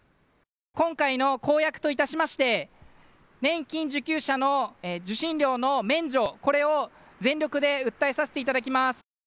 今回の公約といたしまして、年金受給者の受信料の免除、これを全力で訴えさせていただきます。